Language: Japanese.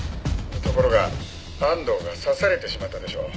ところが安藤が刺されてしまったでしょう。